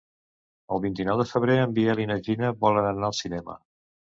El vint-i-nou de febrer en Biel i na Gina volen anar al cinema.